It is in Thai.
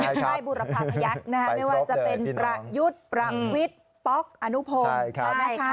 การไหนบุรพักยักษ์ไม่ว่าจะเป็นประยุทธ์ประวิทธิ์ป๊อกอนุโพง